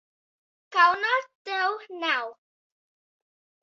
Kauna tev nav!